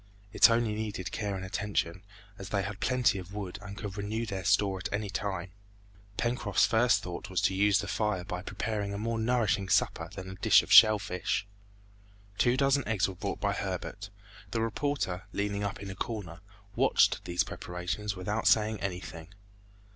It only needed care and attention, as they had plenty of wood and could renew their store at any time. Pencroft's first thought was to use the fire by preparing a more nourishing supper than a dish of shell fish. Two dozen eggs were brought by Herbert. The reporter leaning up in a corner, watched these preparations without saying anything.